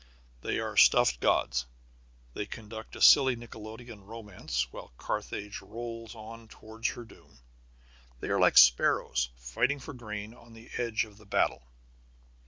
They are stuffed gods. They conduct a silly nickelodeon romance while Carthage rolls on toward her doom. They are like sparrows fighting for grain on the edge of the battle.